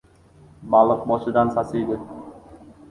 • Baliq boshdan sasiydi.